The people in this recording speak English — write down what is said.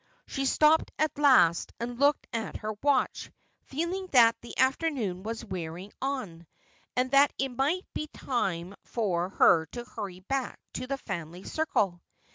She stopped at last, and looked at her watch, feeling that the afternoon was wearing on, and that it might be time for her to hurry back to the family circle.